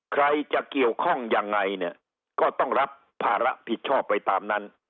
ใครจะเกี่ยวข้องยังไงเนี่ยก็ต้องรับภาระผิดชอบไปตามนั้น